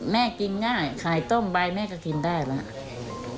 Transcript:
แม่กินง่ายขายต้มใบแม่ก็กินได้แล้ว